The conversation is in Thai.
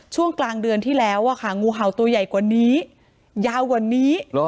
ช่วงกลางเดือนที่แล้วงูเห่าตัวใหญ่กว่านี้ยาวกว่านี้